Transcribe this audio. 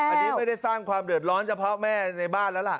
อันนี้ไม่ได้สร้างความเดือดร้อนเฉพาะแม่ในบ้านแล้วล่ะ